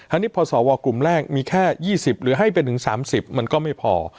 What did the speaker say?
อันนี้พอสวกลุ่มแรกมีแค่๒๐หรือให้ไปถึง๓๐มันก็ไม่พอ